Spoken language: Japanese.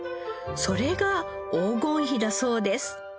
それが黄金比だそうです。